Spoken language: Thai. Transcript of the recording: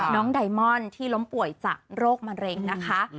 ไดมอนที่ล้มป่วยจากโรคมะเร็งนะคะ